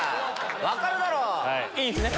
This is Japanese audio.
分かるだろ⁉いいんすね。